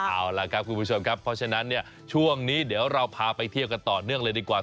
เอาล่ะครับคุณผู้ชมครับเพราะฉะนั้นเนี่ยช่วงนี้เดี๋ยวเราพาไปเที่ยวกันต่อเนื่องเลยดีกว่า